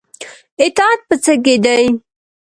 اطاعت په څه کې دی؟